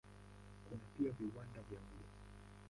Kuna pia viwanda vya nguo.